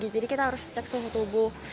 jadi kita harus cek suhu tubuh